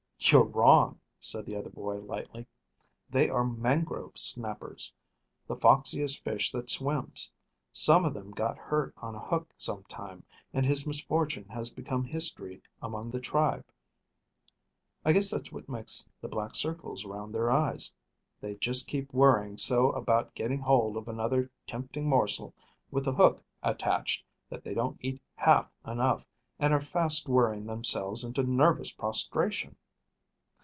"You're wrong," said the other boy lightly. "They are mangrove snappers, the foxiest fish that swims. Some one of them got hurt on a hook some time, and his misfortune has become history among the tribe. I guess that's what makes the black circles around their eyes. They just keep worrying so about getting hold of another tempting morsel with a hook attached that they don't eat half enough, and are fast worrying themselves into nervous prostration."